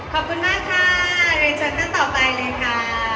ขอบคุณมากค่ะเริ่มเชิญหน้าต่อไปเลยค่ะ